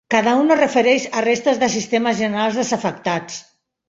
cada un es refereix a restes de sistemes generals desafectats.